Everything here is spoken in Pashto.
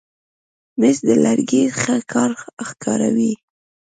مېز د لرګي ښه کار ښکاروي.